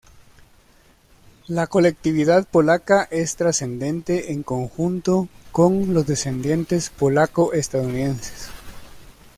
La colectividad polaca es trascendente en conjunto con los descendientes polaco-estadounidenses.